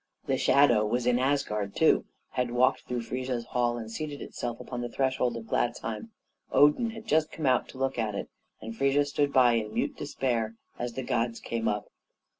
The shadow was in Asgard, too had walked through Frigga's hall and seated itself upon the threshold of Gladsheim. Odin had just come out to look at it, and Frigga stood by in mute despair as the gods came up.